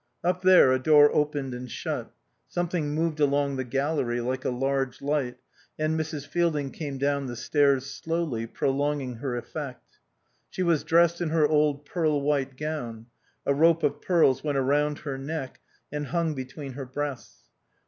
Up there a door opened and shut. Something moved along the gallery like a large light, and Mrs. Fielding came down the stairs, slowly, prolonging her effect. She was dressed in her old pearl white gown. A rope of pearls went round her neck and hung between her breasts.